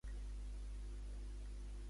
On van anar a viure quan Carmen era una nena?